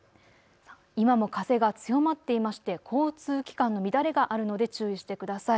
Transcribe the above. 今も風が強まっていまして交通機関の乱れがあるので注意してください。